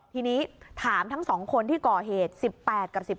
ทีนี้ถามทั้ง๒คนที่ก่อเหตุ๑๘กับ๑๘